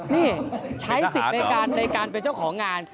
นี่ใช้สิทธิ์ในการเป็นเจ้าของงาน